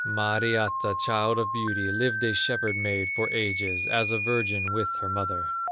Mariatta, child of beauty, Lived a shepherd maid for ages, As a virgin with her mother.